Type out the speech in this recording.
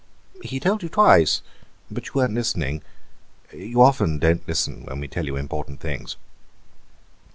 "He told you twice, but you weren't listening. You often don't listen when we tell you important things."